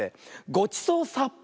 ごちそうさっぱ！